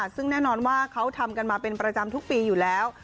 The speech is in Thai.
ซึ่งแน่นอนว่าเขาทำกันมาเป็นประจำทุกปีอยู่แล้ว